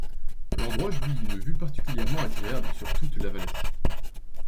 L’endroit jouit d’une vue particulièrement agréable sur toute la vallée.